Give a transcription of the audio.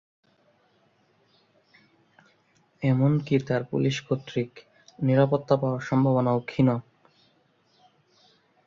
এমনকি তার পুলিশ কর্তৃক নিরাপত্তা পাওয়ার সম্ভাবনাও ক্ষীণ।